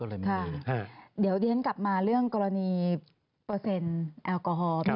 เดี๋ยวดิฉันกลับมาเรื่องกรณีเปอร์เซ็นต์แอลกอฮอล์